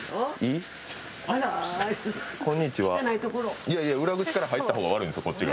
いやいや裏口から入った方が悪いんですこっちが。